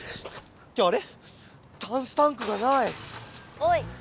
おい！